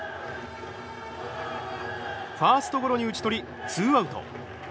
ファーストゴロに打ち取りツーアウト。